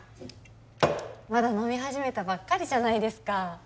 まだ飲み始めたばっかりじゃないですか